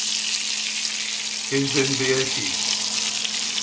És ben bé així.